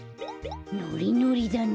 ノリノリだね。